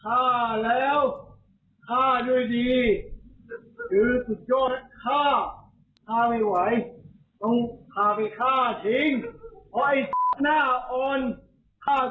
เพราะไอ้หน้าอ่อนฆ่ากูไม่ได้ไงแล้วไปข่มขี่ข่มเหงพวกมึงไงไอ้โง่